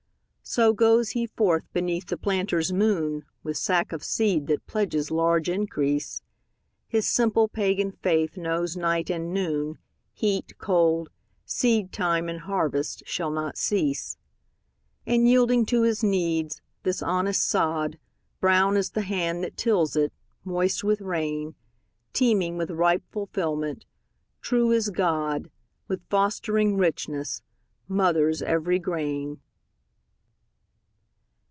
So goes he forth beneath the planter's moon With sack of seed that pledges large increase, His simple pagan faith knows night and noon, Heat, cold, seedtime and harvest shall not cease. And yielding to his needs, this honest sod, Brown as the hand that tills it, moist with rain, Teeming with ripe fulfilment, true as God, With fostering richness, mothers every grain.